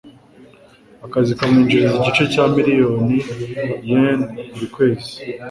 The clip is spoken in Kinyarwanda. Akazi kamwinjiza igice cya miliyoni yen buri kwezi.